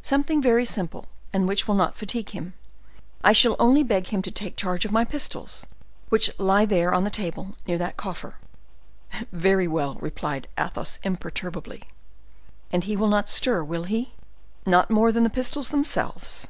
"Something very simple, and which will not fatigue him; I shall only beg him to take charge of my pistols, which lie there on the table near that coffer." "Very well!" replied Athos, imperturbably. "And he will not stir, will he?" "Not more than the pistols themselves."